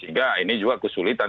sehingga ini juga kesulitan